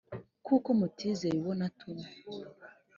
kuko mutizeye uwo natumye